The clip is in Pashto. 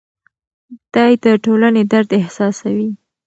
دی د ټولنې درد احساسوي.